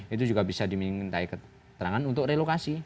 itu juga bisa diminta keterangan untuk relokasi